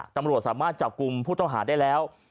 ตำรวจสามารถจับกลุ่มผู้ต้องหาได้แล้ว